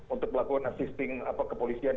untuk melakukan assisting kepolisian